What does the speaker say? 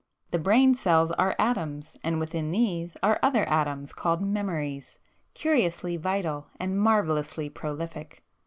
The brain cells are atoms, and within these, are other atoms called memories, curiously vital and marvellously prolific!